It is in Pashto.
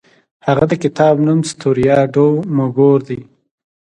د هغه د کتاب نوم ستوریا ډو مګور دی.